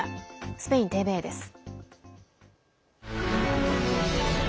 スペインＴＶＥです。